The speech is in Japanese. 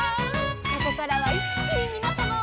「ここからはいっきにみなさまを」